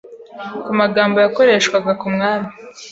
ku magambo yakoreshwaga ku Mwami